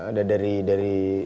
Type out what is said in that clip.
ada dari dari